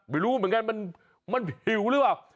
ไม่รู้เหมือนกันมันผิวหรือเปล่า